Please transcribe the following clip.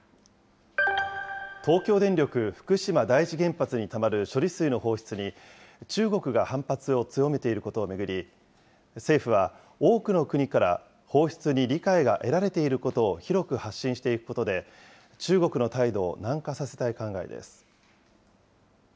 東京電力福島第一原発にたまる処理水の放出に、中国が反発を強めていることを巡り、政府は多くの国から放出に理解が得られていることを広く発信していくことで、中国の態度を軟化させたい考えです。